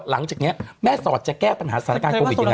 หลังจากนี้แม่สอดจะแก้ปัญหาสถานการณ์โควิดยังไง